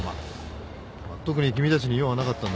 特に君たちに用はなかったんだけどね